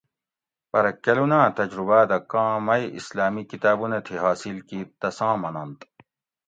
پرہ کلوناۤ تجرباۤ دہ کاۤں مئی اسلامی کتابونہ تھی حاصل کیت تساں مننت